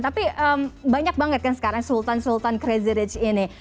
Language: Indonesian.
tapi banyak banget kan sekarang sultan sultan crazy rich ini